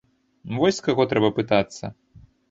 Вось з каго трэба пытацца.